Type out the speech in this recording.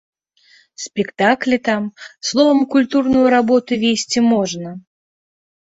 Спектаклі там, словам, культурную работу весці можна.